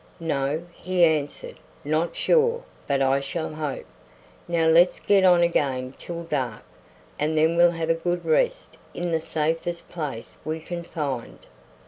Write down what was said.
"No," he answered, "not sure, but I shall hope. Now let's get on again till dark, and then we'll have a good rest in the safest place we can find."